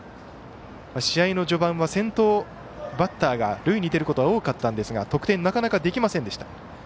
試合の序盤は先頭バッターが塁に出ることが多かったんですが得点がなかなかできませんでした。